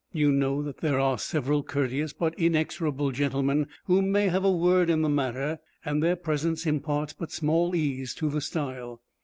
You know that there are several courteous but inexorable gentlemen who may have a word in the matter, and their presence 'imparts but small ease to the style.'